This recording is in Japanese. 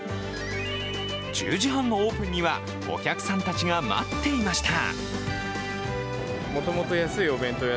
１０時半のオープンにはお客さんたちが待っていました。